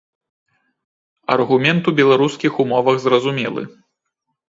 Аргумент у беларускіх умовах зразумелы.